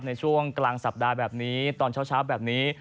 ในช่วงกลางสัปดาห์แบบนี้ตอนเช้าแบบนี้